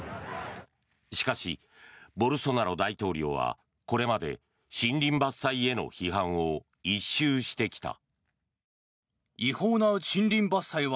しかし、ボルソナロ大統領はこれまで森林伐採への批判を一蹴してきた。